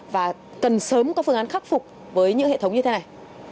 và cần sớm có phương án khắc phục với những hệ thống như thế này